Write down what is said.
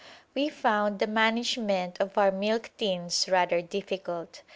We found the management of our milk tins rather difficult.